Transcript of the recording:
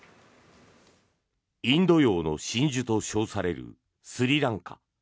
インド洋の真珠と称されるスリランカ。